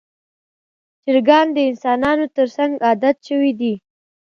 چرګان د انسانانو تر څنګ عادت شوي دي.